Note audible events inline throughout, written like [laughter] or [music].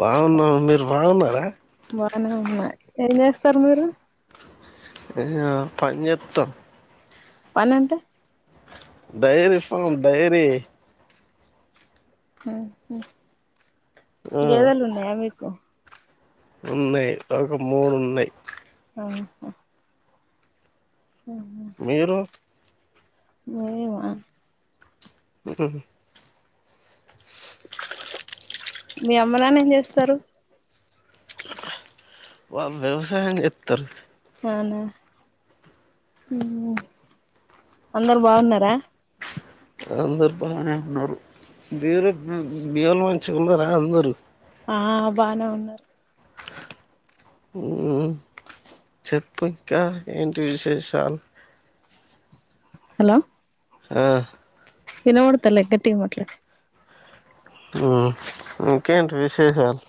బాగున్నామ్ మీరు బాగున్నారా సర్ మీరు మేమా పన్జేత్తాం పనంటే డైరి ఫామ్ డైరీ ఆహ్ గేదలు ఉన్నాయా మీకు ఉన్నై ఒక మూడు ఉన్నాయి ఆహ్ హ మీరు మేమా ఉహ్ మీ అమ్మ నాన్న ఏం చేస్తారు? వాళ్లు వ్యవసాయం చెత్తారు అవునా ఆహ్ అందరు బాగున్నారా అందరు బాగానే ఉన్నారు బిరు బియలు మంచిగున్నారా అందరు ఆ బానే ఉన్నారు ఉహ్ చెప్పు ఇంకా ఏంటి విశేషాలు హలో ఆ ఇన వాడుతలే గట్టిగా మాట్లాడే అ ఇంకేంటి విశేషాలు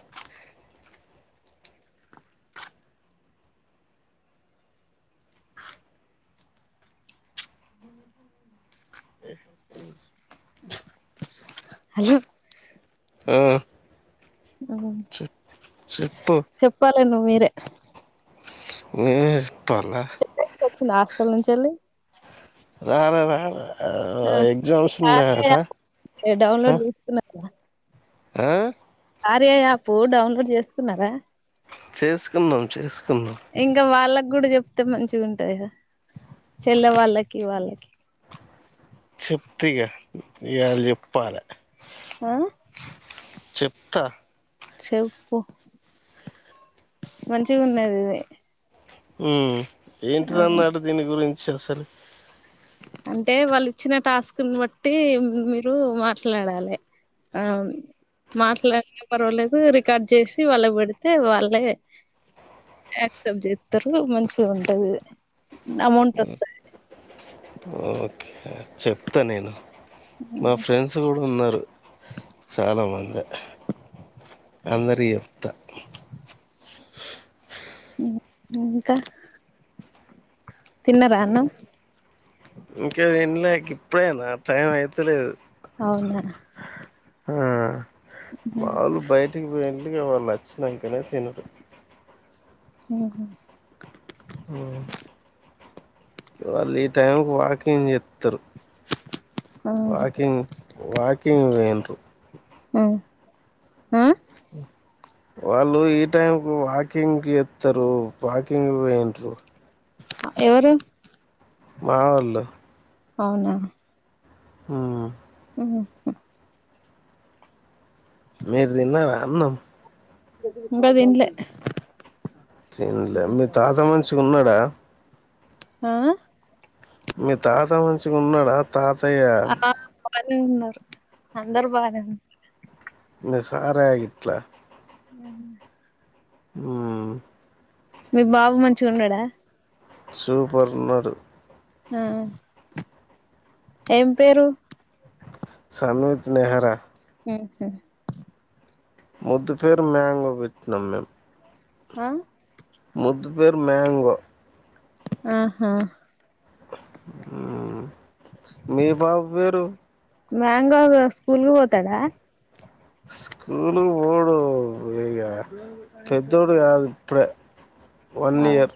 హలో ఆ అబ చెప్పాలి నువ్వు మీరు దే మీ ఏసు పర్లే చిన్న హాస్టల్ నుంచి వెళ్ళి రాలే రాలే ఆ ఎగ్జామ్స్ ఉన్నాయి అట అ ఉవ ఆ కార్య యాప్ డౌన్లోడ్ చేసుకున్నారా చేసుకున్నాం చేసుకున్నాం గుడు చెప్తే మంచిగా ఉంటది గదా చెల్లె వాళ్ళకి వాళ్ళకి తీగ ఇయాల చెప్పాలే ఆ చెప్తా చెప్పు మంచిగా ఉన్నది ఇది ఉ ఏంటిదన్నాటు దీని గురించి సరే సరే అంటే వాళ్ళు ఇచ్చిన టాస్క్ బట్టి మీరు మాట్లాడాలే ఆ మాట్లాడితే పర్వాలేదు రికార్డ్ చేసి వాళ్ళ పెడితే వాళ్ళే యాక్సెప్ట్ చేస్తారు మంచిగా ఉంటది అమౌంట్ వస్తది చెప్తా నేను మా ఫ్రెండ్స్ కూడా ఉన్నారు చాలా మంది అందరికి చెప్పుతా ఇంకా తిన్నరా అన్నం ఇంకా తినలే అక్క ఇప్పుడే నా టైం అయితలేదు అవునా ఆ మాలు బయ ఇంటికి పో ఇంటికి వాళ్ళు వచ్చినంక నే తినుడు ఉహు ఆ వాళ్ళు ఈ టైంకి వాకింగ్ చేత్తరు వాకింగ్ వాకింగ్ వేర్ ప్పు ఆ ఆ వాళ్ళు ఈ టైం కు వాకింగ్కి ఇస్తారు వాకింగ్ంట ఎవరు మా వాళ్ళు అవునా ఆ ఆ మీరు తిన్నారా అన్నం ఇంకా ఇన్లా తినలే మీ తాత మంచి కున్నాడా ఆ మీ తాత మంచిగా ఉన్నాడ తాతయ బా ఉన్నారు అందరు బాగానే ఉ అ సారేగిట్లా ఆ ఆ మీ బాబు మంచిగా ఉన్నాడా సూపర్ ఉన్నాడు ఆ ఏం పేరు సమిద నెహరా స ముద్దు ఫేరు మాంగో పెట్టినాం మేము హా ముద్దు పేరు మ్యాంగో ఆహా మీ బాబు పేరు మ్యాంగో స్కూల్ కు పోతాడా స్కూలు బోడు ఇగా పెద్దోడు కాదు ఇప్పుడే వన్ ఇయర్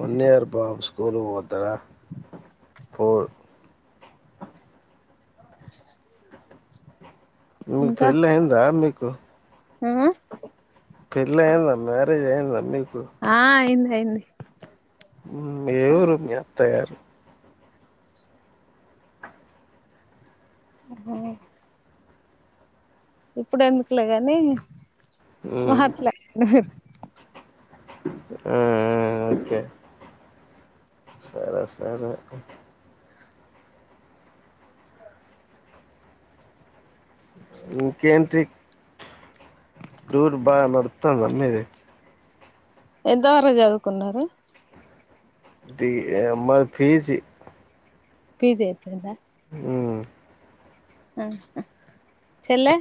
వన్ ఇయర్ బ స్కూల్ పోద్ తరా ఫోర్ మీకు పెళ్ళి అయిందా మీ కు ఆ పెళ్ళైందా మ్యారేజయిందా మీక్ ఆ ఇన్ అయింది మ్మ్ ఏ ఊరు మీ అత్తయారు అ ఇప్పుడెందుకులే గాని మాట్ల ఆ ఆ ఓకే సార సర ఒక ఇంకేంటి డోర్ బాగ నడుతాన్ద మీది ఎంత వరకు చదువుకున్నారు ది ఏమ పీ జీ పీజైపెనదా మ్మ్ ఊహు చెల్లె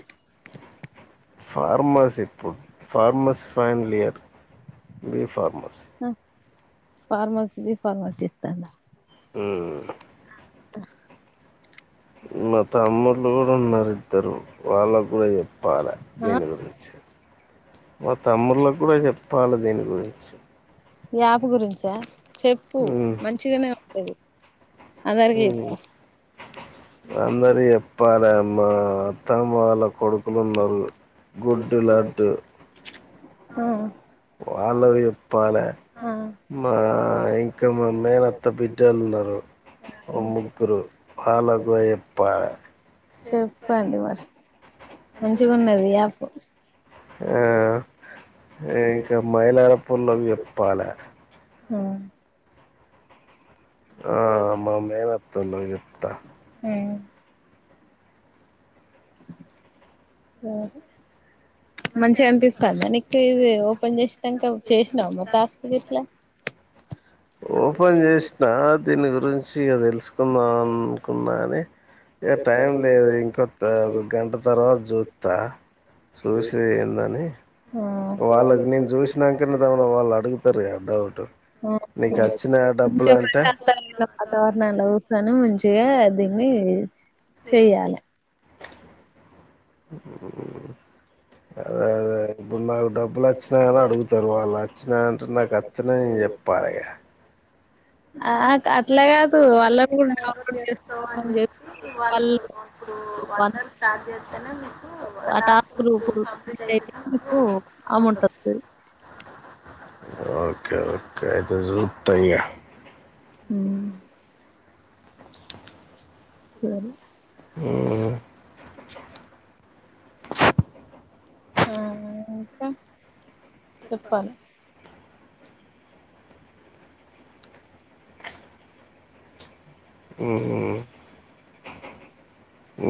ఫార్మాస్ ఇప్పుడు ఫార్మస్ ఫైన్లియర్ బి ఫార్మ అ ఫార్మసి బి ఫార్మాసి జేత్తాండ మ్మ్ [inaudible] మా తమ్ముళ్లు గూడున్నారు ఇద్దరు వాళ్ళకు గూడా చెప్ పాల దేని గురించి మా తమ్ముళ్లకు గుడ చెప్పాల దీని గురించి యాప్ గురించా చెప్పు మంచిగానే ఉంటది అందరికి జప్తా అందరు చెప్పాలే అమ్మా తమ్ము వాళ్ళ కొడుకులున్నరు గుడ్డు లడ్డు ఆ వాళ్ళకు జెప్పాలే మా ఆ ఇంకా మా మేనత్త బిడ్డలున్నరు, ఒ ముగ్గురు ఆళ్ళకు బొయ్ చెప్పాలే చెప్పండి మరి మంచిగున్నది ఈ యాప్ ఆ ఇంకా మైలాడ పుల్లకి చెప్పాలే ఆ మా మేనత్తలకి జెప్తా ఉమ్ ఏవరు మంచిగా అనిపిస్తాందా నీకు ఇది ఓపెన్ చేస్తాంటే చేసినావు మరి టాస్క్లుఇట్లా ఓపెన్ చేసినా దీని గురించి ఇగ తెలుసు ఉందాం అనుకున్నాది. ఏ టైం లేదు ఇంకొ గంట తర్వాత చూతా చూసి ఏందని వాళ్ళకి నేను చూసినాంకనే తర్వాత వాళ్ళు అడుగుతారు కాదా డౌటు [unintelligible] తను మంచిగా దీని చేయాలే ఉమ్ అదే అదే మొన్న డబ్బులు ఆచి వచ్చినగా అడుగుతారు వాళ్ళు వచ్చినాంటే నాకు అర్ధ అసలే చెప్పాలిగా ఆ అట్లా కాదు వాళ్ళని కూడా డౌడ్ చేపి వాళ్ళ సనం ఆ రాజులు కంప్లీట్ అయితే మనకు అమౌంట్ వత్తది ఓకే ఓకే అతే జూతయిగ హుమ్ సరే అ ఆ ఇంకా చెప్పాలి అ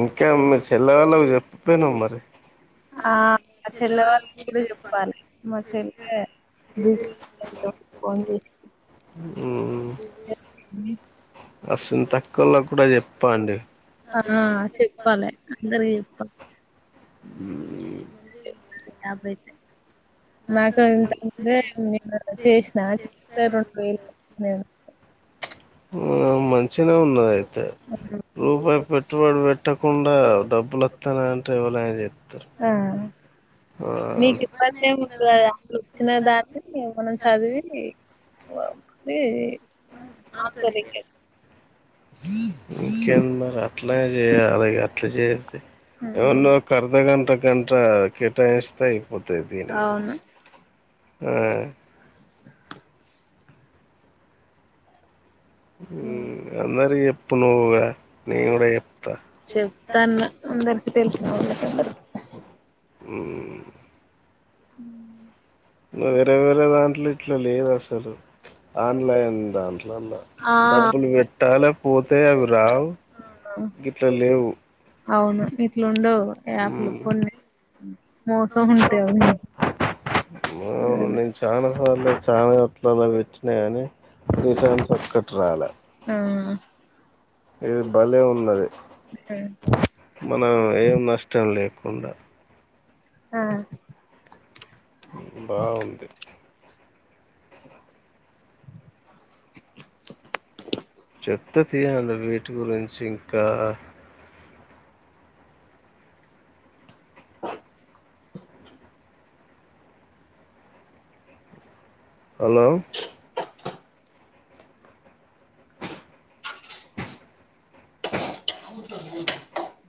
ఇంకా మీ చెల్లె వాళ్ళకి చెప్పపోయేనావా మరి [unintelligible] అసంత తక్కువలో కూడా చెప్పండి ఇప్పాలే అందరివీ చేప అ యాభై తె నాకు ఇంతంది నేను చేసినే రెండు వేలును ఆ మంచిన ఉన్నది అయి రూపాయి పెట్టుబడి పెట్టకుండా డబ్బులు వస్తాన అంటే ఏవలన చెస్ ఆ మీకు ఇప్పస ఏమ వచ్చిన దాన్ని మనం చదివి ఏ మాకుది క ఇంకే మరి అట్లనే చేయాలగ అట్లా చేయ ఏమన్నా ఒక అర్ధ గంట గంట కేటాయిస్తే అయిపోతాది దీని గురించి ఆ అరి ఎప్పు నువుగా న కూడా ఎప్తా తెే ఉండ అ అ వేరే వేర దాంట్లో అట్లా లేదు అసలు ఆన్లన్ దాంట్లోలో డబ్బులు పె పట్టాల పోతే అవి రావు ఇం గ ఇట్లా లేవు అవును ఇట్లు ఉండవు యాప్లు కొన్ని మోసం ఉంటేవు నీ వాళ్ళ చా చట్లలో పెట్టినా కాని డిజైన్స్ ఒక్కటి రాలే ఆ ఇది బలే ఉన్నది మనం ఏం నష్టం లేకుండా ఆ బాగుంది చెప్త తీయం వీటి గురించి ఇంకా హలో [inaudible]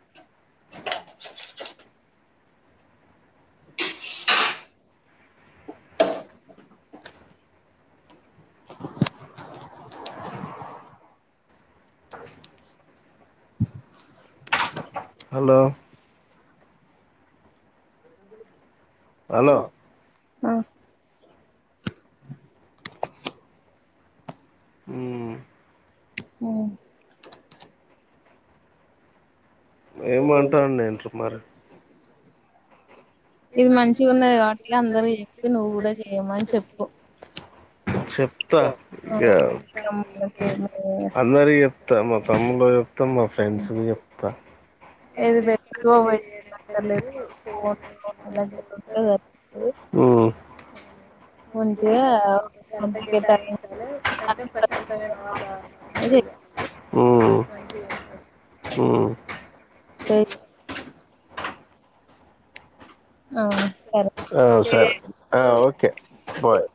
హలో హలో అ ఓ ఏమంటాను నేరూ మరి చెప్తా ఇక అందరి చెప్తా మా తమ్ములు చెప్తా మా ఫ్రెండ్స్ చెప్తా అదే [unintelligible] ఇే ముంచియా ప [inaudible] గత ప్రశాంత ఉ సో ఆ ఆ సార్ ఆఓకే ఓకే బాయ్